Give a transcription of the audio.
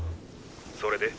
それで？